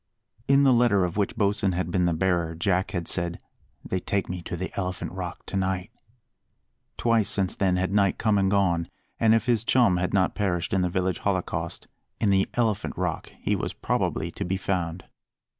In the letter of which Bosin had been the bearer Jack had said "They take me to the Elephant Rock to night." Twice since then had night come and gone; and if his chum had not perished in the village holocaust, in the Elephant Rock he was probably to be found.